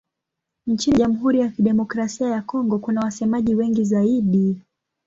Nchini Jamhuri ya Kidemokrasia ya Kongo kuna wasemaji wengi zaidi.